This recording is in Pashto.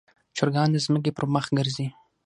چرګان د ځمکې پر مخ ګرځي.